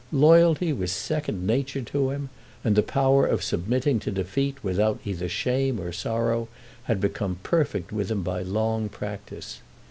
Loyalty was second nature to him, and the power of submitting to defeat without either shame or sorrow had become perfect with him by long practice.